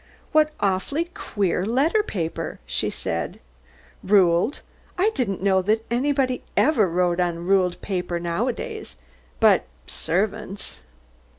"What awfully queer letter paper," she said. "Ruled! I didn't know that anybody ever wrote on ruled paper nowadays, but servants.